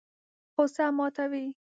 غوسه ماتوي.